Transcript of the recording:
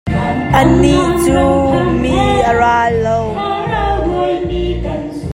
Anih cu mi a ral lo.